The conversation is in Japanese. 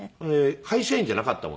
会社員じゃなかったもんで。